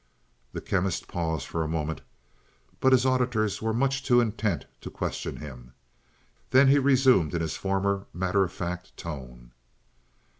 The Chemist paused for a moment, but his auditors were much too intent to question him. Then he resumed in his former matter of fact tone.